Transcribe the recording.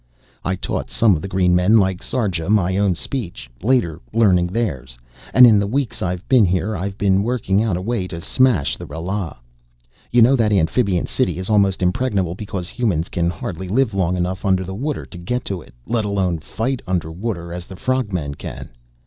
I taught some of the green men like Sarja my own speech, later learning theirs, and in the weeks I've been here I've been working out a way to smash the Ralas. "You know that amphibian city is almost impregnable because humans can hardly live long enough under the water to get into it, let alone fight under water as the frog men can.